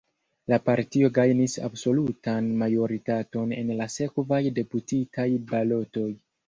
La partio gajnis absolutan majoritaton en la sekvaj deputitaj balotoj.